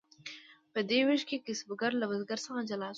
په دې ویش کې کسبګر له بزګر څخه جلا شو.